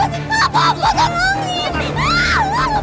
aaaaahhh lepasin bapak bapak tolong ini